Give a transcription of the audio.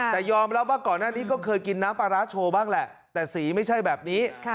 แต่ยอมรับว่าก่อนหน้านี้ก็เคยกินน้ำปลาร้าโชว์บ้างแหละแต่สีไม่ใช่แบบนี้